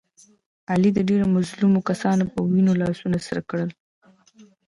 علي د ډېرو مظلومو کسانو په وینو لاسونه سره کړي.